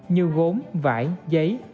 như gốm vải giấy